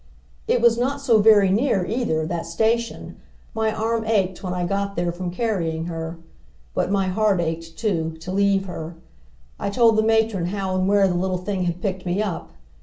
It was not so very near, either, that station. My arm ached when I got there from carrying her, but my heart ached, too, to leave her. I told the matron how and where the little thing had picked me up.